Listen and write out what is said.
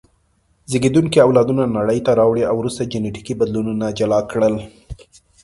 زېږوونکي اولادونه نړۍ ته راوړي او وروسته جینټیکي بدلون جلا کړل.